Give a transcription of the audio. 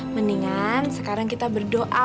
mendingan sekarang kita berdoa